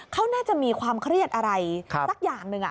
เขาน่าจะมีความเครียดอะไรสักอย่างหนึ่ง